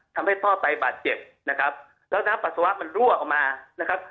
ทำให้พ่อไปบาดเจ็บนะครับแล้วน้ำปัสสาวะมันรั่วออกมานะครับ